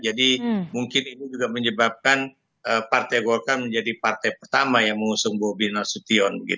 mungkin ini juga menyebabkan partai golkar menjadi partai pertama yang mengusung bobi nasution